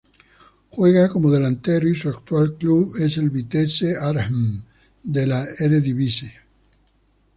Juega como delantero y su actual club es el Vitesse Arnhem de la Eredivisie.